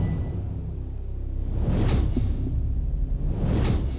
คำถามสำหรับเรื่องนี้คือ